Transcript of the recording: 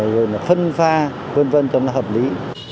rồi là phân pha vân vân cho nó hợp lý